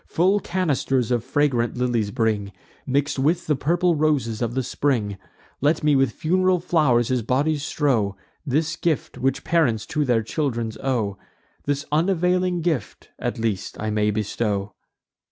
Full canisters of fragrant lilies bring, Mix'd with the purple roses of the spring; Let me with fun'ral flow'rs his body strow; This gift which parents to their children owe, This unavailing gift, at least, I may bestow!"